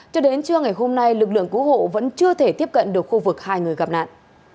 cho đến trưa ngày hôm nay lực lượng cứu hộ vẫn chưa thể tiếp cận được khu vực hai người gặp nạn